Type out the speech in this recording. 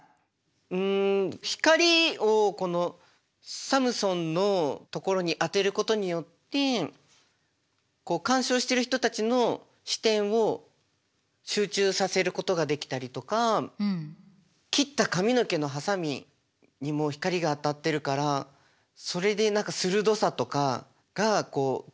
うん光をこのサムソンのところに当てることによってこう鑑賞している人たちの視点を集中させることができたりとか切った髪の毛のはさみにも光が当たってるからそれで何か鋭さとかがこう強調されてる感じがしました。